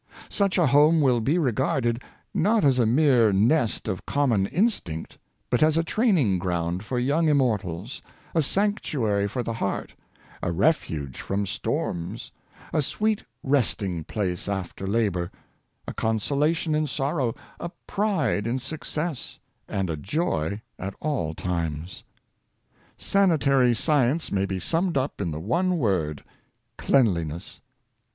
Such a home will be regarded, not as a mere nest of common instinct, but as a training ground for young immortals, a sanctuar}^ for the heart, a refuge from storms, a sweet resting place after labor, a consolation in sorrow, a pride in success, and a joy at all times. Sanitary science may be summed up in the one word — cleanliness.